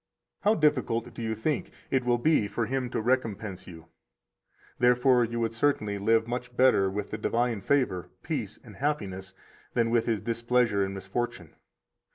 How difficult, do you think, it will be for Him to recompense you! Therefore you would certainly live much better with the divine favor, peace, and happiness than with His displeasure and misfortune.